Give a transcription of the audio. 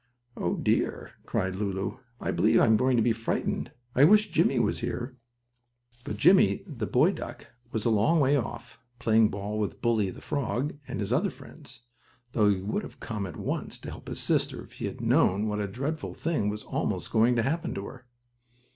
"Oh, dear!" cried Lulu. "I believe I'm going to be frightened. I wish Jimmie was here!" But Jimmie, the brave boy duck, was a long way off, playing ball with Bully, the frog, and his other friends, though he would have come at once to help his sister if he had known what a dreadful thing was almost going to happen to her.